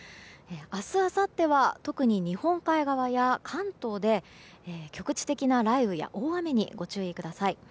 明日、あさっては特に日本海側や関東で局地的な雷雨や大雨にご注意ください。